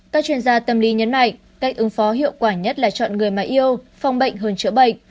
các chuyên gia tâm lý nhấn mạnh cách ứng phó hiệu quả nhất là chọn người mà yêu phòng bệnh hơn chữa bệnh